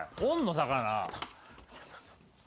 魚。